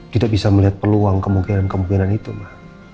tidak bisa melihat peluang kemungkinan kemungkinan itu ma